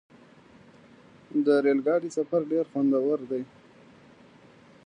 د ریل ګاډي سفر ډېر خوندور دی.